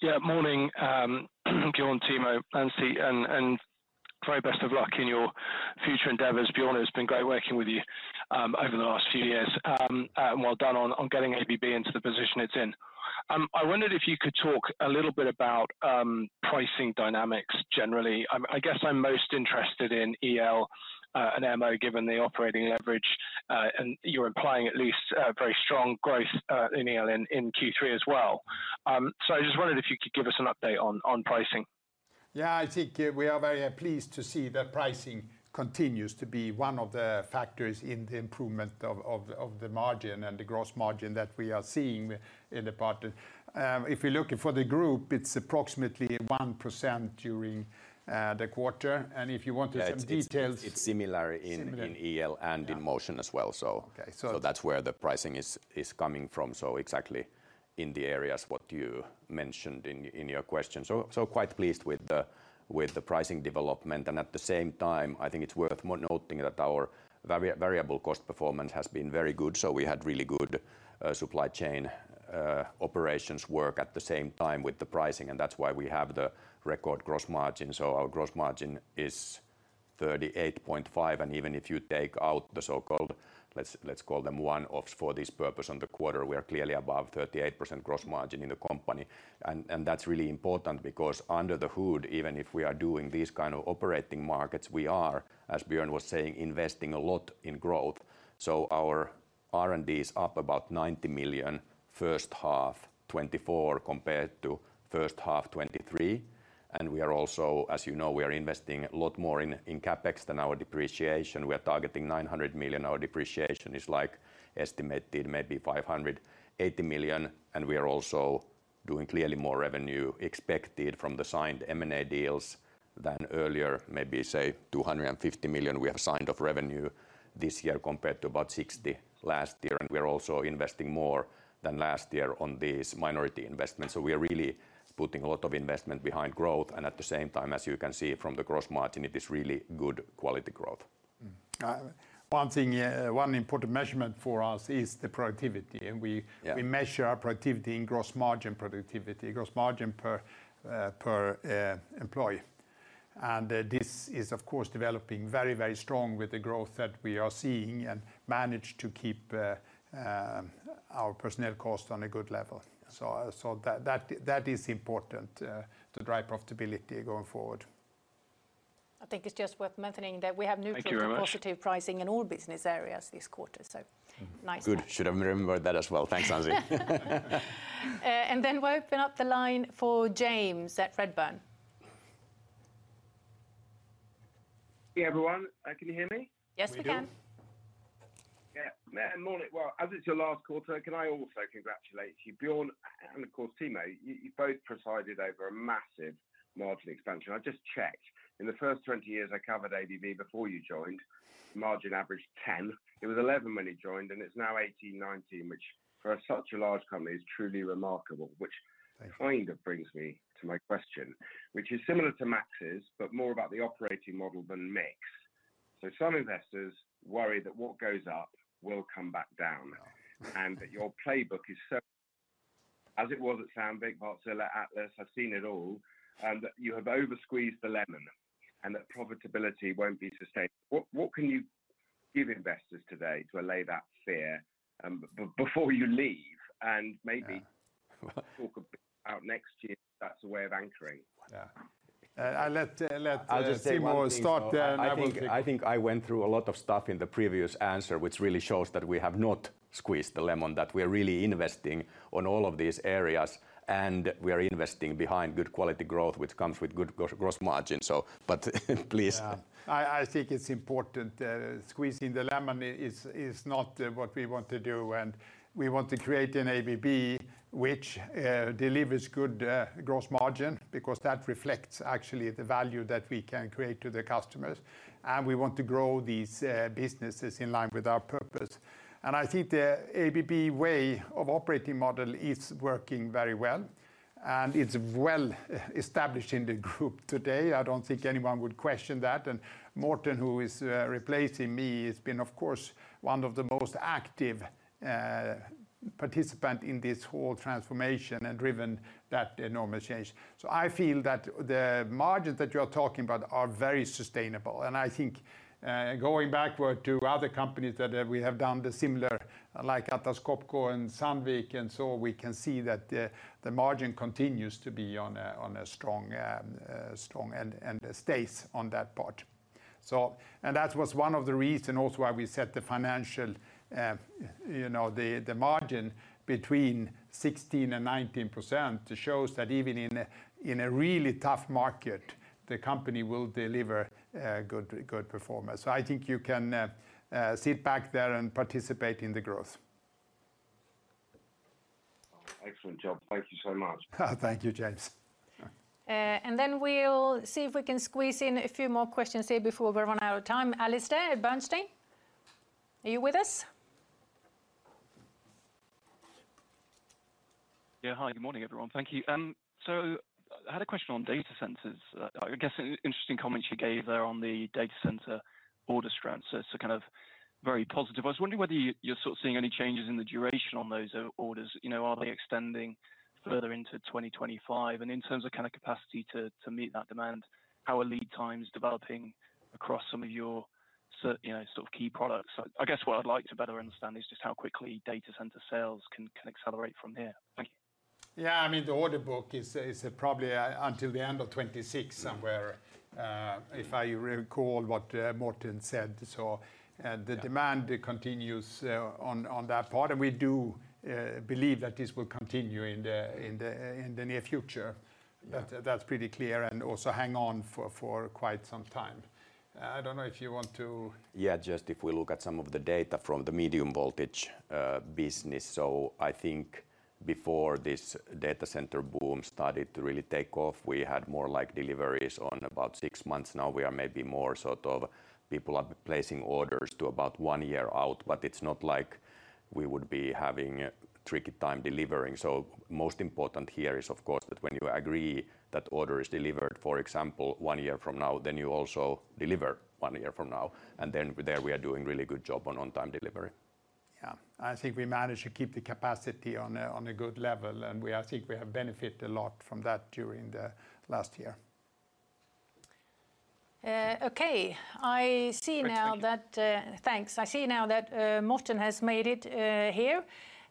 Yeah, morning, Björn, Timo, and Steve, very best of luck in your future endeavors. Björn, it's been great working with you over the last few years, and well done on getting ABB into the position it's in. I wondered if you could talk a little bit about pricing dynamics generally. I guess I'm most interested in EL and MO, given the operating leverage, and you're implying at least a very strong growth in EL in Q3 as well. So I just wondered if you could give us an update on pricing. Yeah, I think we are very pleased to see that pricing continues to be one of the factors in the improvement of the margin and the gross margin that we are seeing in the quarter. If you're looking for the group, it's approximately 1% during the quarter, and if you wanted some details- Yeah, it's similar in- Similar... in EL- Yeah ...and in motion as well. So- Okay, so- So that's where the pricing is coming from, so exactly in the areas what you mentioned in your question. So, so quite pleased with the pricing development, and at the same time, I think it's worth noting that our variable cost performance has been very good, so we had really good supply chain operations work at the same time with the pricing, and that's why we have the record gross margin. So our gross margin is 38.5, and even if you take out the so-called, let's call them one-offs for this purpose on the quarter, we are clearly above 38% gross margin in the company. And that's really important because under the hood, even if we are doing these kind of operating markets, we are, as Björn was saying, investing a lot in growth. So our R&D is up about $90 million, first half 2024 compared to first half 2023. And we are also, as you know, we are investing a lot more in CapEx than our depreciation. We are targeting $900 million. Our depreciation is like estimated, maybe $580 million, and we are also doing clearly more revenue expected from the signed M&A deals than earlier. Maybe say, $250 million we have signed of revenue this year, compared to about $60 million last year, and we are also investing more than last year on these minority investments. So we are really putting a lot of investment behind growth, and at the same time, as you can see from the gross margin, it is really good quality growth. One thing, one important measurement for us is the productivity, and we- Yeah... we measure our productivity in gross margin productivity, gross margin per employee. And this is, of course, developing very, very strong with the growth that we are seeing and manage to keep our personnel cost on a good level. So that is important to drive profitability going forward. I think it's just worth mentioning that we have neutral- Thank you very much.... positive pricing in all business areas this quarter, so nice. Good. Should have remembered that as well. Thanks, Anzi. And then we'll open up the line for James at Redburn. Hey, everyone. Can you hear me? Yes, we can. We do. Yeah. Morten, well, as it's your last quarter, can I also congratulate you? Björn, and of course, Timo, you both presided over a massive margin expansion. I just checked. In the first 20 years I covered ABB before you joined, margin averaged 10. It was 11 when he joined, and it's now 18, 19, which for such a large company is truly remarkable. Which- Thank you... kind of brings me to my question, which is similar to Matthew's, but more about the operating model than mix. So some investors worry that what goes up will come back down, and that your playbook is so as it was at Sandvik, Wartsila, Atlas. I've seen it all, and that you have over squeezed the lemon and that profitability won't be sustainable. What, what can you give investors today to allay that fear, before you leave? And maybe- Yeah.... talk a bit about next year, that's a way of anchoring. Yeah. I'll let I'll just say one thing.... Timo start, then I will take. I think I went through a lot of stuff in the previous answer, which really shows that we have not squeezed the lemon, that we are really investing on all of these areas, and we are investing behind good quality growth, which comes with good gross margin. So but please. Yeah. I think it's important, squeezing the lemon is not what we want to do, and we want to create an ABB which delivers good gross margin because that reflects actually the value that we can create to the customers. And we want to grow these businesses in line with our purpose. And I think the ABB Way of operating model is working very well, and it's well-established in the group today. I don't think anyone would question that. And Morten, who is replacing me, has been, of course, one of the most active participant in this whole transformation and driven that enormous change. So I feel that the margins that you're talking about are very sustainable, and I think, going backward to other companies that, we have done the similar, like Atlas Copco and Sandvik, and so we can see that the, the margin continues to be on a, on a strong, strong and, and stays on that part. So and that was one of the reason also why we set the financial, you know, the, the margin between 16% and 19%, to shows that even in a, in a really tough market, the company will deliver, good, good performance. So I think you can, sit back there and participate in the growth. Excellent job. Thank you so much. Thank you, James. And then we'll see if we can squeeze in a few more questions here before we run out of time. Alasdair at Bernstein, are you with us? Yeah. Hi, good morning, everyone. Thank you. So I had a question on data centers. I guess an interesting comment you gave there on the data center order strength, so it's a kind of very positive. I was wondering whether you're sort of seeing any changes in the duration on those orders. You know, are they extending further into 2025? And in terms of kind of capacity to meet that demand, how are lead times developing across some of your sort, you know, sort of key products? I guess what I'd like to better understand is just how quickly data center sales can accelerate from here. Thank you. Yeah, I mean, the order book is probably until the end of 2026 somewhere, if I recall what Morten said. So, Yeah... the demand continues on that part, and we do believe that this will continue in the near future. Yeah. That, that's pretty clear, and also hang on for quite some time. I don't know if you want to- Yeah, just if we look at some of the data from the medium voltage business. So I think before this data center boom started to really take off, we had more like deliveries on about 6 months. Now, we are maybe more sort of people are placing orders to about 1 year out, but it's not like we would be having a tricky time delivering. So most important here is, of course, that when you agree that order is delivered, for example, 1 year from now, then you also deliver 1 year from now, and then there we are doing really good job on on-time delivery. ... Yeah, I think we managed to keep the capacity on a good level, and we, I think we have benefited a lot from that during the last year. Okay, I see now that- Thanks to you. Thanks. I see now that Morten has made it here,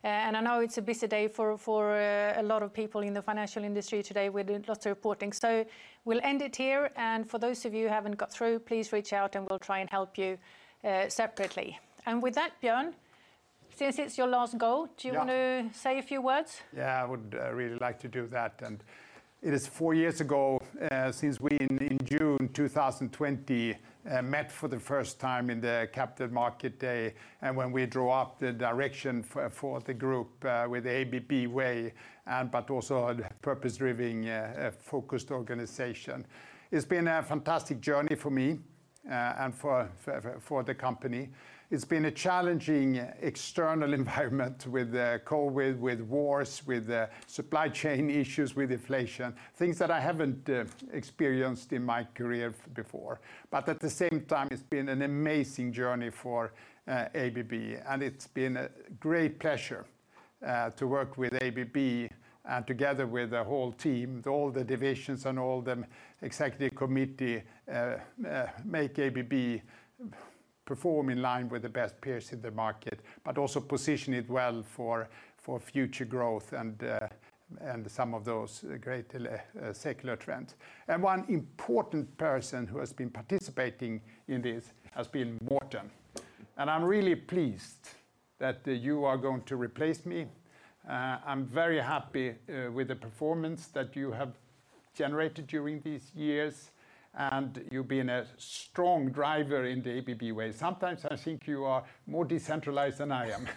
and I know it's a busy day for a lot of people in the financial industry today with lots of reporting. So we'll end it here, and for those of you who haven't got through, please reach out, and we'll try and help you separately. And with that, Björn, since it's your last go- Yeah... do you want to say a few words? Yeah, I would really like to do that, and it is four years ago since we in June 2020 met for the first time in the Capital Market Day, and when we drew up the direction for the group with the ABB Way, and but also a purpose-driven focused organization. It's been a fantastic journey for me and for the company. It's been a challenging external environment with COVID, with wars, with supply chain issues, with inflation, things that I haven't experienced in my career before. But at the same time, it's been an amazing journey for ABB, and it's been a great pleasure to work with ABB, and together with the whole team, with all the divisions and all the executive committee, make ABB perform in line with the best peers in the market, but also position it well for future growth and some of those great secular trends. And one important person who has been participating in this has been Morten, and I'm really pleased that you are going to replace me. I'm very happy with the performance that you have generated during these years, and you've been a strong driver in the ABB Way. Sometimes I think you are more decentralized than I am.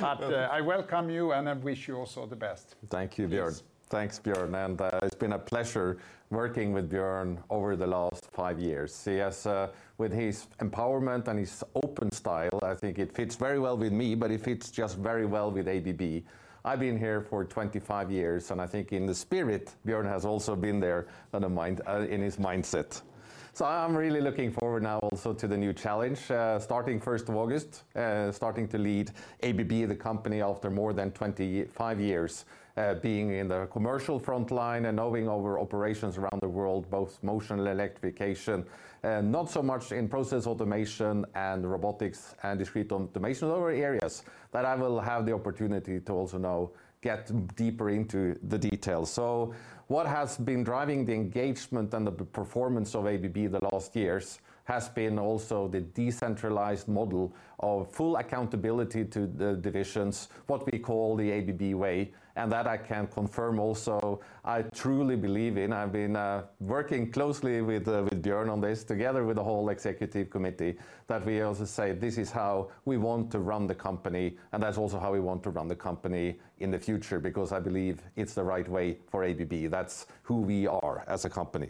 But I welcome you, and I wish you also the best. Thank you, Björn. Yes. Thanks, Björn, and, it's been a pleasure working with Björn over the last 5 years. He has, with his empowerment and his open style, I think it fits very well with me, but it fits just very well with ABB. I've been here for 25 years, and I think in the spirit, Björn has also been there on the mind, in his mindset. So I'm really looking forward now also to the new challenge, starting 1st of August, starting to lead ABB, the company, after more than 25 years, being in the commercial front line and knowing our operations around the world, both motion and electrification, not so much in process automation and Robotics and Discrete Automation. Other areas that I will have the opportunity to also now get deeper into the details. So what has been driving the engagement and the performance of ABB the last years has been also the decentralized model of full accountability to the divisions, what we call the ABB Way, and that I can confirm also, I truly believe in. I've been working closely with Björn on this, together with the whole executive committee, that we also say, "This is how we want to run the company, and that's also how we want to run the company in the future," because I believe it's the right way for ABB. That's who we are as a company.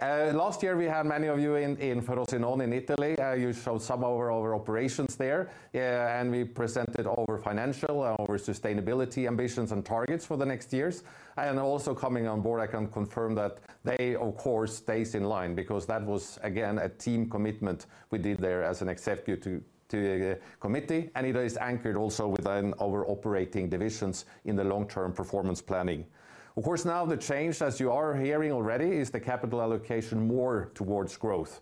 Last year we had many of you in Frosinone in Italy. You saw some of our operations there, and we presented our financial, our sustainability ambitions and targets for the next years. And also coming on board, I can confirm that they, of course, stays in line because that was, again, a team commitment we did there as an executive committee, and it is anchored also within our operating divisions in the long-term performance planning. Of course, now the change, as you are hearing already, is the capital allocation more towards growth,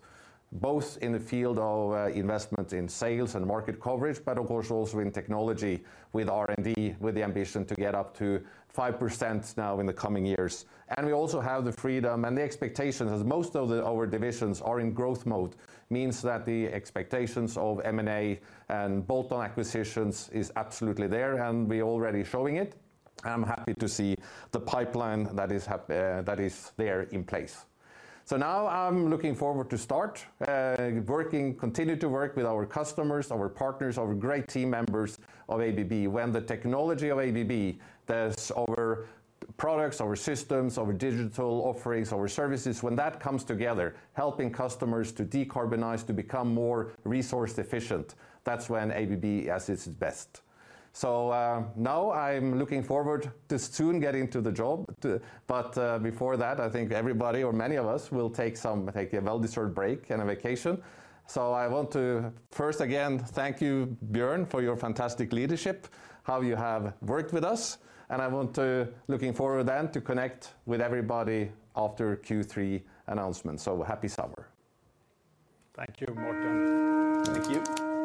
both in the field of investment in sales and market coverage, but of course also in technology with R&D, with the ambition to get up to 5% now in the coming years. And we also have the freedom and the expectation, as most of the our divisions are in growth mode, means that the expectations of M&A and bolt-on acquisitions is absolutely there, and we're already showing it. I'm happy to see the pipeline that is there in place. So now I'm looking forward to start, working, continue to work with our customers, our partners, our great team members of ABB. When the technology of ABB, that's our products, our systems, our digital offerings, our services, when that comes together, helping customers to decarbonize, to become more resource efficient, that's when ABB is at its best. So, now I'm looking forward to soon getting to the job, but, before that, I think everybody or many of us will take a well-deserved break and a vacation. So I want to first again thank you, Björn, for your fantastic leadership, how you have worked with us, and I want to... Looking forward then to connect with everybody after Q3 announcements. So happy summer. Thank you, Morten. Thank you.